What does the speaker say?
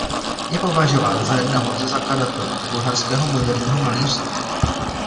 Je považován za jednoho ze zakladatelů bulharského moderního malířství.